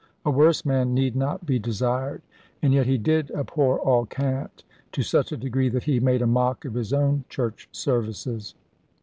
A worse man need not be desired: and yet he did abhor all cant, to such a degree that he made a mock of his own church services.